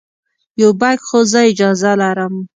یو بیک خو زه اجازه لرم.